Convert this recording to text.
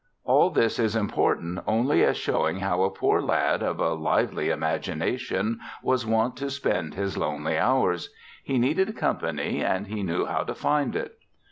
All this is important only as showing how a poor lad, of a lively imagination, was wont to spend his lonely hours. He needed company and knew how to find it.